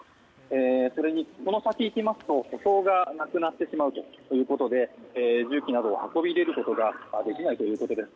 それにこの先行きますと舗装がなくなってしまうということで重機などを運び入れることができないということです。